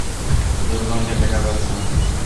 দুর্গন্ধে টেকা যাচ্ছে না।